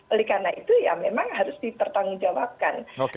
oleh karena itu ya memang harus dipertanggungjawabkan